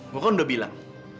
gue kan udah bilang